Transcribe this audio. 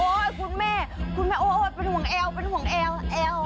โอ้ยคุณแม่คุณแม่โอ้โหเป็นห่วงแอว